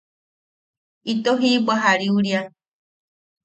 Ito jiʼibwa jariuria.